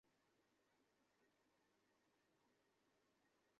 তারা তোমার মন পড়ে ফেলবে।